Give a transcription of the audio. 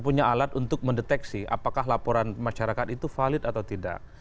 punya alat untuk mendeteksi apakah laporan masyarakat itu valid atau tidak